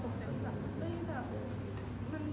ผู้ใหญ่ทุกคนก็บอกว่าไม่รู้ที่เขาโทรมาอะไร